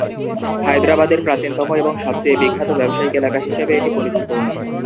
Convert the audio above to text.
হায়দ্রাবাদের প্রাচীনতম এবং সবচেয়ে বিখ্যাত ব্যবসায়িক এলাকা হিসেবে এটি পরিচিত।